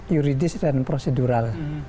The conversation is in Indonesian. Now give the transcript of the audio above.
juridis dan prosedural